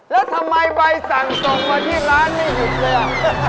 แล้วทำไมใบสั่งส่งมาที่ร้านไม่หยุดเลยอ่ะ